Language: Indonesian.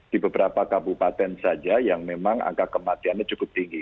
di beberapa kabupaten saja yang memang angka kematiannya cukup tinggi